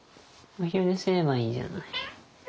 お昼寝すればいいじゃない。